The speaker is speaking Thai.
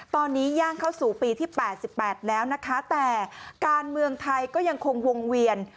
ตอนนี้ย่างเข้าสู่ปีที่๘๘แล้วนะคะแต่การเมืองไทยก็ยังคงวงเวียน